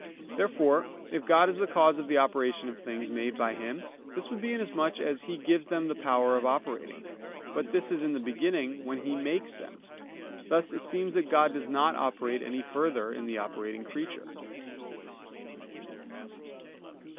Therefore, if God is the cause of the operation of things made by Him, this would be inasmuch as He gives them the power of operating. But this is in the beginning, when He makes them. Thus it seems that God does not operate any further in the operating creature.